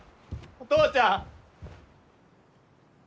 お父ちゃん！